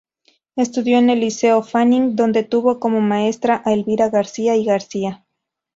Estudió en el "Liceo Fanning", donde tuvo como maestra a Elvira García y García.